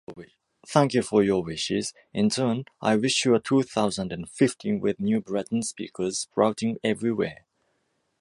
Thank you for your wishes. In turn I wish you a two thousand and fifteen with new Breton speakers sprouting everywhere.